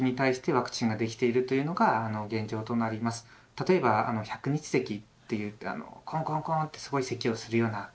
例えば「百日せき」といってコンコンコンってすごいせきをするような病気ですね。